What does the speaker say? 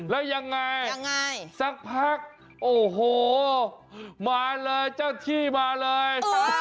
แล้วยังไงสักพักโอ้โหมาเลยเจ้าที่มาเลย